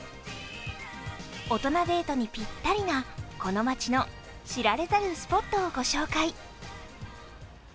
大人デートにぴったりなこの街の知られざるスポットをご紹介。